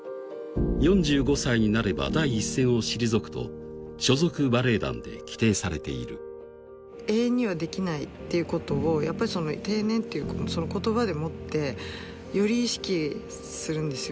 ４５歳になれば第一線を退くと所属バレエ団で規定されている永遠にはできないっていうことをやっぱりその「定年」という言葉でもってより意識するんですよ